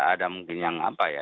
ada mungkin yang apa ya